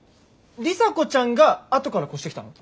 里紗子ちゃんがあとから越してきたの？